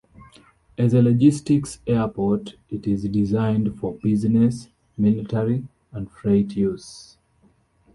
As a logistics airport, it is designed for business, military, and freight use.